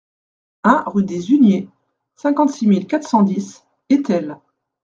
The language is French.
un rue des Huniers, cinquante-six mille quatre cent dix Étel